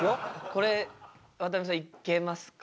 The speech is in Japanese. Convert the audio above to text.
これ渡辺さんいけますか？